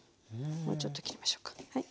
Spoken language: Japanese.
もうちょっと切りましょうかはい。